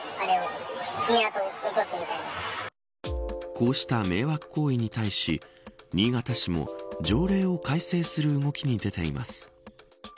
こうした迷惑行為に対し新潟市も条例を改正する動きに出ています。